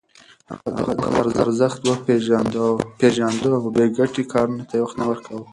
هغه د وخت ارزښت پېژانده او بې ګټې کارونو ته وخت نه ورکاوه.